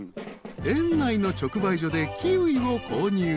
［園内の直売所でキウイを購入］